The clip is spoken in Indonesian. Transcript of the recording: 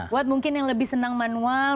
buat mungkin yang lebih senang manual